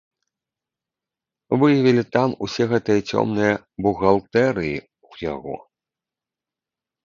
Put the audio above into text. Выявілі там усе гэтыя цёмныя бухгалтэрыі ў яго.